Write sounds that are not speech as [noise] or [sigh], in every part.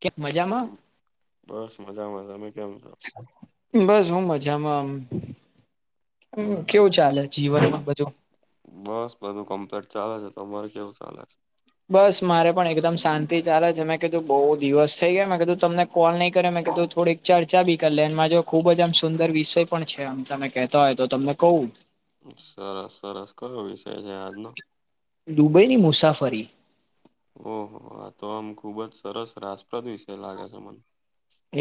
કે મજામાં બસ મજામાં તમે કેમ છો? બસ હું મજામાં આમ હમ કેવું ચાલે જીવનમાં બધું બસ બધું કમ્પ્લીટ ચાલે છે તમારે કેવું ચાલે છે બસ મારે પણ એકદમ શાંતિ ચાલે છે મેં કીધું બહુ દિવસ થઈ ગયા મેં કીધું તમને કોલ નહીં કર્યો મેં કીધું થોડીક ચર્ચા બી કરી લે એ મા જો ખુબ જ આમ સુંદર વિષય પણ છે આમ તમે કે તા હોય તો તમને કવ સરસ સરસ કયો વિષય છે આજનો દુબઈની મુસાફરી ઓહો આ તો આમ ખુબ જ સરસ રાસપ્રદ વિષય લાગે છે મને.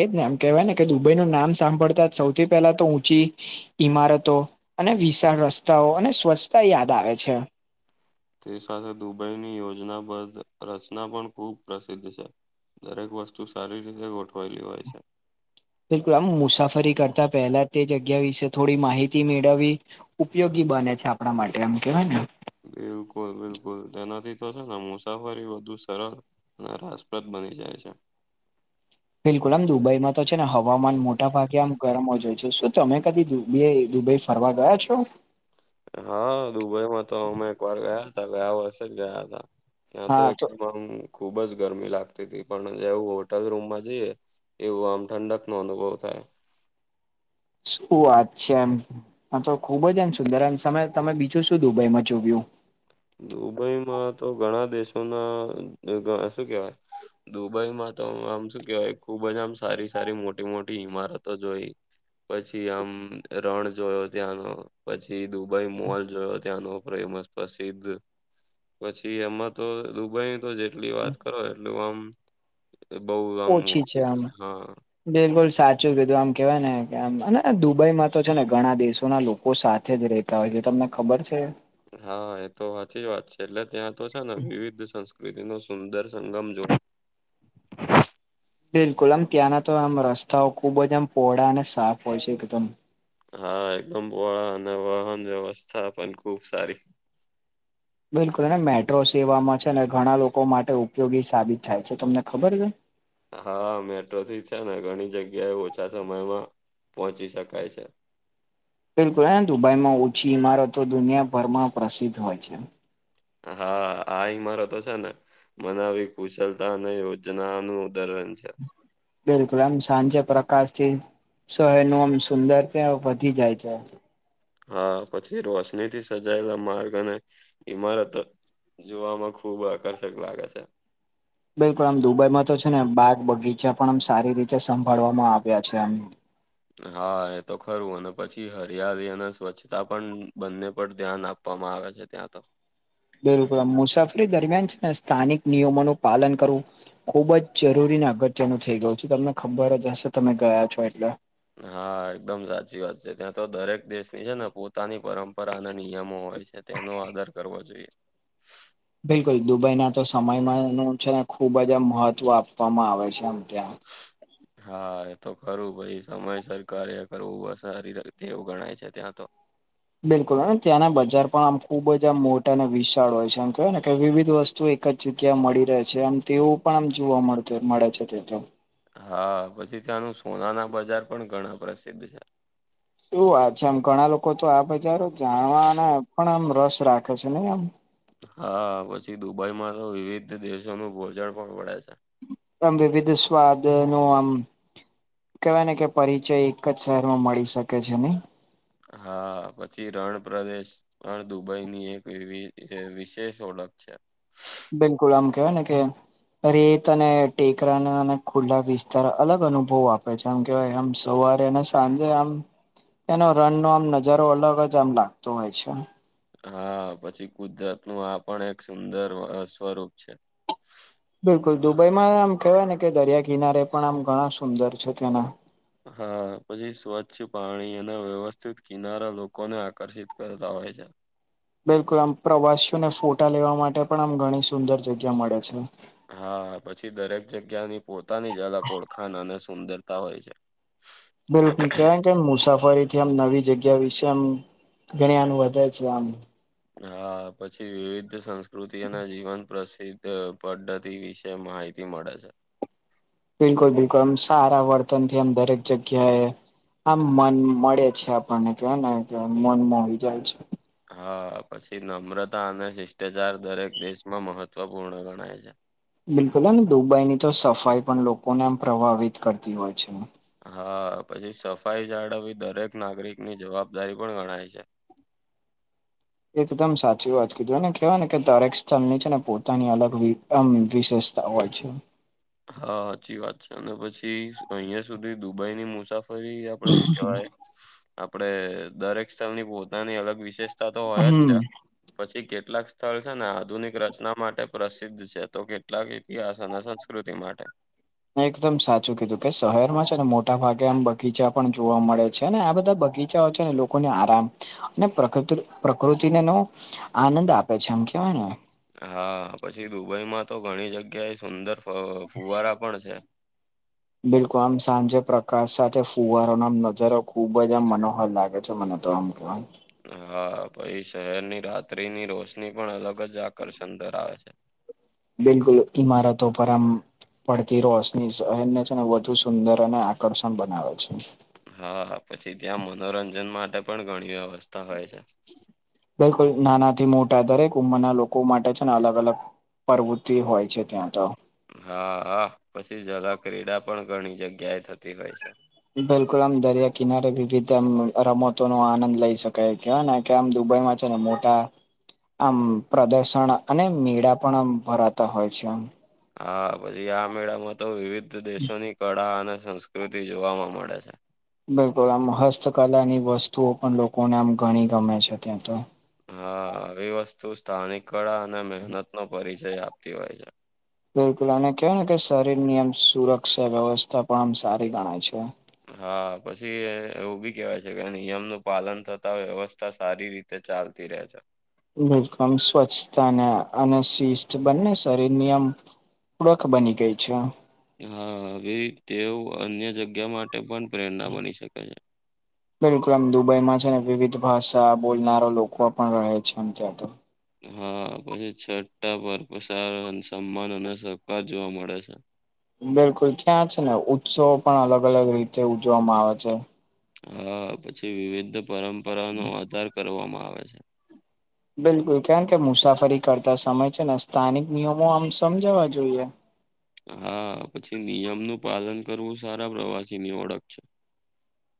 એજ ને એમ કેહેવાય ને કે દુબઈ નું નામ સાંભળતા જ સૌથી પહેલા તો ઊંચી ઈમારતો અને વિશાળ રસ્તાઓ અને સ્વચ્છતા યાદ આવે છે. તે સાથે દુબઈની યોજનાબદલ રચના પણ ખૂબ પ્રસિદ્ધ છે. દરેક વસ્તુ સારી રીતે ગોઠવાયેલી હોય છે. બિલકુલ આમ મુસાફરી કરતા પહેલા તે જગ્યા વિશે થોડી માહિતી મેળવવી ઉપયોગી બને છે આપણા માટે એમ કેવાય ને બિલકુલ બિલકુલ તેનાથી તો છે ને મુસાફરી બધુ સરળ અને રાજપ્રદ બની જાય છે બિલકુલ આમ દુબઈમાં તો છે ને હવામાન મોટા ભાગે આમ ગરમ હોઈ છે શું તમે કદી જોય બે દુબઈ ફરવા ગયા છો હા દુબઈમાં તો અમે એક વાર ગયા હતા ગયા વર્ષે જ ગયા હતા ત્યાં તો એકદમ આમ ખુબ જ ગરમી લાગતી હતી પણ જે હું હોટલ રૂમમાં જઈએ એવું આમ ઠંડકનો અનુભવ થાય શું વાત છે એમ આ તો ખુબ જ એને સુંદર તમે બીજું શું દુબઈમાં જોયુ દુબઈમાં તો ઘણા દેશોના શું કેહેવાય દુબઈ માં તો આમ શું કેવાય ખુબ જ આમ સારી સારી મોટી મોટી ઈમારતો જોઈ પછી આમ રણ જોયો ત્યાંનો પછી દુબઈ મોલ જોયો ત્યાંનો ફેમસ પ્રસિદ્ધ પછી એમાં તો દુબઈ તો જે એટલી વાત કરો એટલું આમ બહું આમ ઓછી વાચીત આમ છે હા બિલકુલ સાચું કીધું આમ કેવાય ને દુબઈમાં તો છે ને ઘણા દેશોના લોકો સાથે જ રે હવે જે તમને ખબર છે હા એ તો સાચી વાત છે એટલે ત્યાં તો છે ને વિવિધ સંસ્કૃતિ નો સુંદર સંગમ જો બિલકુલ આમ ત્યાંના તો આમ રસ્તાઓ ખુબ જ આમ પોહળા અને સાફ હોય છે એકદમ હા એકદમ પોળ અને વાહન વ્યવસ્થા પણ ખુબ સારી બિલકુલ અને મેટ્રો સેવામાં છે અને ઘણા લોકો માટે ઉપયોગી સાબિત થાય છે તમને ખબર છે. હા મેટ્રોથી છે ને ઘણી જગ્યાએ ઓછા સમયમાં પહોંચી શકાય છે. બિલકુલ દુબઈમાં ઓછી ઈમારતો દુનિયાભરમાં પ્રસિદ્ધ હોય છે. હા આ ઈમારતો છે ને મનાલી કુશલતા અને યોજના નું ઉદાહરણ છે. બિલકુલ આમ સાંજે પ્રકાશથી સો એનું આમ સુંદર તા વધી જાય છે. હા પછી રોશની થી સજાયેલા માર્ગ અને ઇમારત જોવામાં ખુબ આકર્ષક લાગે છે. બિલકુલ આમ દુબઈમાં તો છે ને, બાગ બગીચા પણ આમ સારી રીતે સંભાળવામાં આવ્યા છે આમ હા એ તો ખરું. અને પછી હરિયાળી અને સ્વચ્છતા પણ બંને પર ધ્યાન આપ આપવામાં આવે છે ત્યાં તો બિલકુલ મુસાફરી દરમિયાન છે ને સ્થાનિક નિયમો નું પાલન કરવું ખુબ જ જરૂરીને અગત્યનું થઈ ગયું છે. તમને ખબર જ હશે તમે ગયા છો એટલે હા એકદમ સાચી વાત છે. ત્યાં તો દરેક દેશની છે ને પોતાની પરંપરા અને નિયમો હોય છે. તેનો આદર કરવો જોઈએ. બિલકુલ દુબઈ ના તો સમયમાં નું છે ને ખુબ જ આમ મહત્વ આપવામાં આવે છે, આમ ત્યાં [inaudible] હા એ તો ખરું ભઈ સમય સર કરે કરવું સારી એવું ગણાય છે ત્યાં તો બિલકુલ ત્યાંના બજાર પણ આમ ખુબ જ આમ મોટા અને વિશાળ હોય છે. એમ કય ને કે વિવિધ વસ્તુ તો એક જ જગ્યા મળી રહે છે. આમ તેવું પણ આમ જોવા મળતું મળે છે તે તો હા પછી ત્યાંનું સોના ના બજાર પણ ઘણા પ્રસિદ્ધ છે. એવુ વાત છે. આમ ઘણા લોકો તો આ બજારો જાણવાના પણ આમ રસ રાખે છે ને એમ. હા પછી દુબઈમાં તો વિવિધ દેશોનું ભોજન પણ પડે છે. આમ વિવિધ સ્વાદ નું આમ કેવાય ને કે પરિચય એક જ શહેરમાં મળી શકે છે નઈ. હા પછી રણ પ્રદેશ રણ દુબઈ ની એક એવી વિશેષ ઓળખ છે. બિલકુલ આમ કેવાય ને કે અરે તને ટેકરાના અને ખુલ્લા વિસ્તાર અલગ અનુભવો આપે છે. આમ કેવાય આમ સવારેને સાંજે આમ એનો રન નો આમ નજારો અલગ જ આમ લાગતો હોય છે. હા પછી કુદરત નું આ પણ એક સુંદર સ્વરૂપ છે. બિલકુલ દુબઈમાં આમ કેવાય ને કે દરિયા કિનારે પણ આમ ઘણા સુંદર છે તેના હા પછી સ્વચ્છ પાણી અને વ્યવસ્થિત કિનારા લોકોને આકર્ષિત કરતા હોય છે. બિલકુલ આમ પ્રવાસીઓને ફોટા લેવા માટે પણ આમ ઘણી સુંદર જગ્યા મળે છે. હા પછી દરેક જગ્યાની પોતાની જ અલગ ઓળખાણ અને સુંદરતા હોય છે. બિલકુલ કેવાઈ કેમ મુસાફરી થી આમ નવી જગ્યા વિશે આમ જ્ઞાન વધે છે આમ. હા પછી વિવિધ સંસ્કૃતિઓના જીવન પ્રસિદ્ધ ત પદ્ધતિ વિશે માહિતી મળે છે. બિલકુલ બિલકુલ આમ સારા વર્તન થી આમ દરેક જગ્યાએ આમ મન મળે છે આપણને કેવાય ને કે મન મોહી જાય છે. હા પછી નમ્રતા અને શિષ્ટાચાર દરેક દેશમાં મહત્વપૂર્ણ ગણાય છે. બિલકુલ હને દુબઈની તો સફાઈ પણ લોકોને એમ પ્રભાવિત કરતી હોય છે. હા પછી સફાઈ જાળવવી દરેક નાગરિક ની જવાબદારી પણ ગણાય છે. એકદમ સાચી વાત કીધી અને કેવાય ને કે દરેક સ્થળની છે ને પોતાની અલગ વી આમ વિશેષતા હોય છે. હા હાચી વાત છે અને પછી અહિયાં સુધી દુબઈ ની મુસાફ પસી આપડે શું કેવાય આપડે દરેક સ્થળની પોતાની અલગ વિશેષ તા તો હોય જ છે. હમ. પછી કેટલાક સ્થળ છે ને આધુનિક રચના માટે પ્રસિદ્ધ છે. તો કેટલાક ઇતિહાસ અને સંસ કૃતિ માટે. મે એકદમ સાચું કીધું કે શહેરમાં છે ને મોટા ભાગે આમ બગીચા પણ જોવા મળે છે ને આ બધા બગી [unintelligible] ને લોકોને આરામ અને પ્રકૃતિને નુ આનંદ આપે છે એમ કેવાય ને. હા પછી દુબઈમાં તો ઘણી જગ્યા એ સુંદર ફુવારા પણ છે. બિલકુલ આમ સાંજે પ્રકાશ સાથે ફુવારોનો આમ નજરો ખુબ જ આમ મનોહલ લાગે છે મને. તોમ કમ. હા પહી શહેરની રાત્રિની રોશની પણ અલગ જ આકર્ષણ ધરાવે છે. બિલકુલ ઈમારતો પર આમ પડતી રોશની સહેરને છે ને વધુ સુંદર અને આકર્ષણ બનાવે છે. હા પછી ત્યાં મનોરંજન માટે પણ ઘણી વ્યવસ્થા હોય છે. બિલકુલ નાનાથી મોટા દરેક ઉંમરના લોકો માટે છે ને અલગ અલગ. પ્રવૃતિ હોય છે ત્યાં તો. હા હા પછી જ ક્રીડા પણ ઘણી જગ્યાએ થતી હોય છે. બિલકુલ આમ દરિયા કિનારે વિવિધમ રમતો નો આનંદ લઇ શકાય કે ને કેમ દુબઈમાં છે ને મોટા આમ પ્રદર્શન અને મેળા પણ આમ ભરાતા હોય છે આમ. હા પછી આ મેળામાં તો વિવિધ દેશોની કળા અને સંસ્કૃતિ જોવાવામાં મળે છે. બિલકુલ આમ હસ્તકલા ની વસ્તુઓ પણ લોકોને આમ ઘણી ગમે છે ત્યાં તો. હા આવી વસ્તુ સ્થાનિક કળા અને મહેનત નો પરિચય આપતી હોય છે. બિલકુલ અને કેવાય ને કે શરીરની આમ સુરક્ષા વ્યવસ્થા પણ આમ સારી ગણાય છે. હા પછી એવું બી કેવાય છે કે નિયમનું પાલન થતા વ્યવસ્થા સારી રીતે તે ચાલતી રહે છે. બલકમ સ્વચ્છ અને અને શિસ્ત બંને શરીર નિયમ પૂળખ બની ગઈ છે. હા હવે તેઓ અન્ય જગ્યા માટે પણ પ્રેરણા બની શકે છે. બિલકુલ આમ દુબઈમાં છે ને વિવિધ ભાષા બોલનારા લોકો પણ રહે છેમ ત્યાં તો. હા પછી છઠા પર સાર સમાન અને સહકાર જોવા મળે છે. બિલકુલ ત્યાં છે ને ઉત્સવ પણ અલગ અલગ રીતે ઉજવામાં આવે છે. હા પછી વિવિધ પરંપરાનો આધાર કરવામાં આવે છે. બિલકુલ કારણ કે મુસાફરી કરતા સમય છે ને સ્થાનિક નિયમો આમ સમજાવા જોઈએ. હા પછી નિયમનું પાલન કરવું સારા પ્રવાસી ની ઓળખ છે.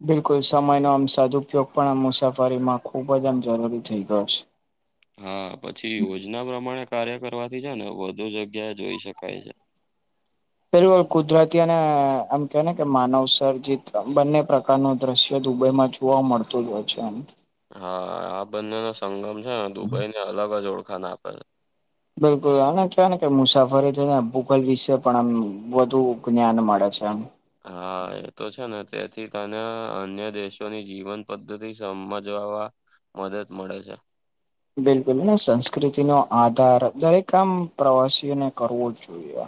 બિલકુલ સમયનો આમ સદઉપયોગ પણ આમ મુસાફરીમાં ખુબ જ આમ જરૂરી થઇ ગયો છે. હા પછી યોજના પ્રમાણે કાર્ય કરવાથી છે ને વધુ જગ્યાએ જોઈ શકાય છે. પેલું કુદરતી અને આમ કેવા ને કે માનવ સર્જિત બંને પ્રકારનું દ્રશ્ય દુબઈમાં જ જોવા મળતો જ હોય છે આમ. હા આ બંનેનોો સંગમ છે દુબઈને અલગ જ ઓળખા ના આપે છે. બિલકુલ અને કહેવાય ને કે મુસાફરી છે ને ભૂગોલ વિશે પણ આમ વધુ જ્ઞાન મળે છે. હા એ તો છે ને તેથી તને અન્ય દેશોની જીવન પદ્ધતિ સમજવાવા. મદદ મળે છે. બિલકુલ અને સંસ્કૃતિ નો આધાર દરેક કામ પ્રવાસીઓને કરવો જ જોઈએ.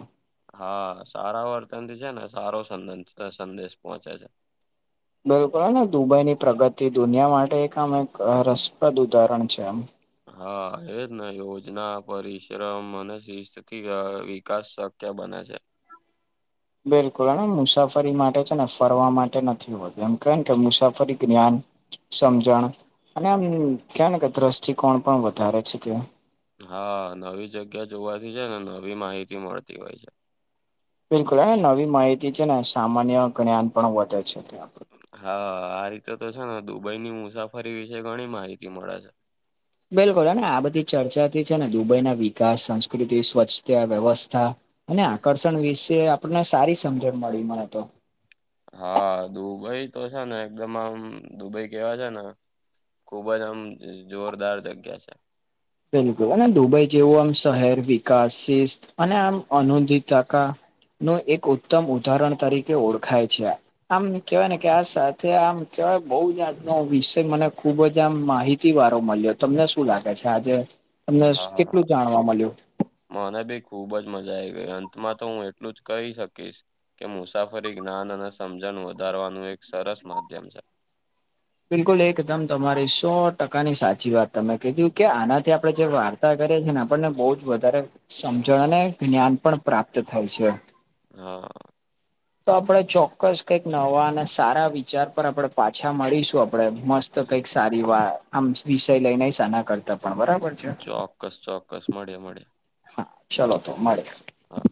હા સારા વર્તનથી છે ને સારો સંદેશ પોહોંચે છે. બિલકુલ ને દુબઈની પ્રગતિ દુનિયા માટે એક આમ એક રસપ્રદ ઉદાહરણ છે એમ. હા એજ ને યોજના પરિશ્રમ અને શિસ્તથી વિકાસ- ક્યા બના છે. બિલકુલ અને મુસાફરી માટે છે ને ફરવા માટે નથી હોતું એમ ક ને કે મુસાફરી જ્ઞાન સમજણ અને એમ ક ને કે દ્રષ્ટ કોણ પણ વધારે છે તે. હા નવી જગ્યા જોવાથી જ ને નવી માહિતી મળતી હોય છે. બિલકુલ હ નવી માહિતી છે ને સામાન્ય જ્ઞાન પણ વધે છે ત. હા આ રીતે તો છે ને દુબઈની મુસાફરી વિશે ઘણી માહિતી મળે છે. બિલકુલ અને આ બધી ચર્ચાથી છે ને દુબઈ ના વિકાસ સંસ્કૃતિ સ્વચ્છતા વ્યવસ્થા. અને આકર્ષણ વિશે આપણને સારી સમજણ મળી મળે તો. હા દુબઈ તો છે ને એકદમ આમ દુબઈ કેવા છે ને. ખુબ જ આમ જોરદાર જગ્યા છે. બિલકુલ અને દુબઈ જેવું આમ શહેર વિકાસ શિસ્ત અને આમ અનુદકા. નું એક ઉત્તમ ઉદાહરણ તરીકે ઓળખાય છે આ. આમ કેવાય નેકે આ સાથે આમ કેવાય બહુ જાતનો વિષય મને ખુબ જ આમ માહિતી તિવારો મળ્યો તમને શું લાગે છે આજે, તમને હા હા કેટલું જાણવા મળ્યું? મને ભી ખુબ જ મજા આવી ગઈ અંતમાં તોહું એટલું જ કહી શકીશ. કે મુસાફરી જ્ઞાન અને સમજણ વધારવાનું એક સરસ માધ્યમ છે, બિલકુલ એકદમ તમારી સો ટકાની સાચી વાત તમે કીધી, કે આનાથી આપડે જે વા તા કરે છે, ને આપણને બહુ જ વધારે સમજણ અને જ્ઞાન પણ પ્રાપ્ત થાય છે. હા. તો આપણે ચોક્કસ કંઈક નવા અને સારા વિચાર પર આપણે પાછા મળીશું આપણે મસ્ત, તો કંઈક સારીવાત આમ વિષય લઈને સાના કરતા પણ બરાબર છે, ચોક્કસ ચોક્કસ મળ્યાં મળ્યાં, હા ચલો તો મળે, હા.